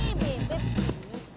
sampai deh kita